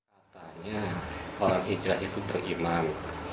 katanya orang hijrah itu beriman